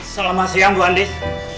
selama siang bu andis